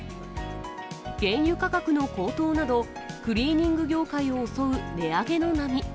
原油価格の高騰など、クリーニング業界を襲う値上げの波。